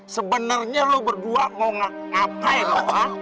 sebenernya lu berdua mau ngapain lu ha